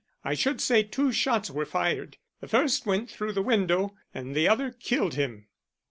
I should say two shots were fired. The first went through the window, and the other killed him."